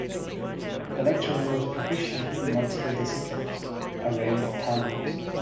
The lecturer was proficient in multiple disciplines, a rare talent.